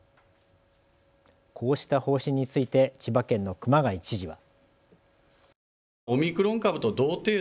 こうした方針について千葉県の熊谷知事は。